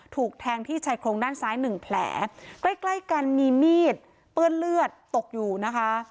ถูกแทงที่ชายโครงด้านซ้ายหนึ่งแผลใกล้ใกล้กันมีมีดเปื้อนเลือดตกอยู่นะคะ